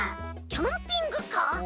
キャンピングカー？